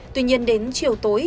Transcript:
tuy nhiên đến chiều tối